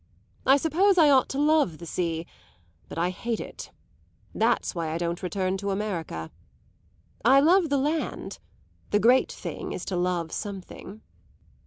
I suppose I ought to love the sea, but I hate it. That's why I don't return to America. I love the land; the great thing is to love something."